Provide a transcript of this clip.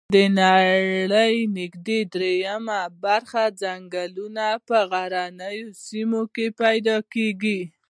د نړۍ نږدي دریمه برخه ځنګلونه په غرنیو سیمو کې پیدا کیږي